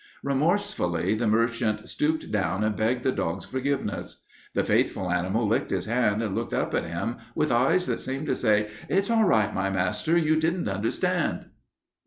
Remorsefully the merchant stooped down and begged the dog's forgiveness. The faithful animal licked his hand and looked up at him with eyes that seemed to say, 'It's all right, my master. You didn't understand.'"